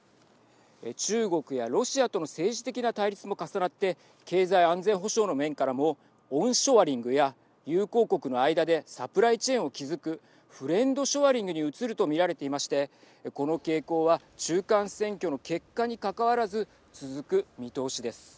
中国やロシアとの政治的な対立も重なって経済安全保障の面からもオンショアリングや友好国の間でサプライチェーンを築くフレンドショアリングに移ると見られていましてこの傾向は中間選挙の結果にかかわらずはい。